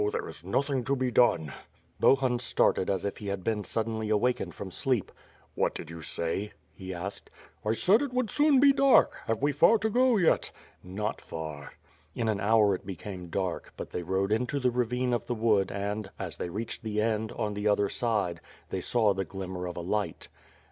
there is nothing to be clone." Bohun started as if he had been suddenly awakened from sleep. "What did you say?' 'he asked. "I said it would soon be dark. Have we far to go yet?" "Not far." In an hour it became dark, but they rode into the ravine of the wood and, as they reached the end, on the other side, they saw Uie glimmer of a light.